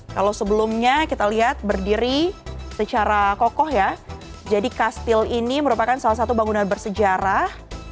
kalau sebelumnya kita lihat berdiri secara kokoh ya jadi kastil ini merupakan salah satu bangunan bersejarah